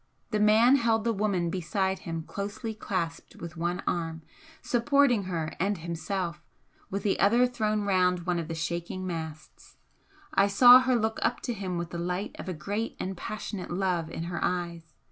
The man held the woman beside him closely clasped with one arm, supporting her and himself, with the other thrown round one of the shaking masts. I saw her look up to him with the light of a great and passionate love in her eyes.